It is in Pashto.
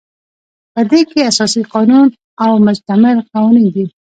په دې کې اساسي قانون او مجمع القوانین دي.